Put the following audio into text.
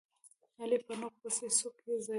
علي په نوک پسې سوک ځایوي.